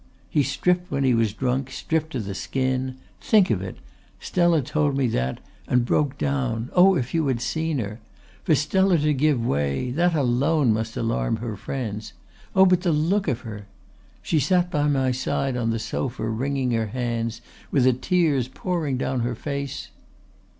He stripped when he was drunk, stripped to the skin. Think of it! Stella told me that and broke down. Oh, if you had seen her! For Stella to give way that alone must alarm her friends. Oh, but the look of her! She sat by my side on the sofa, wringing her hands, with the tears pouring down her face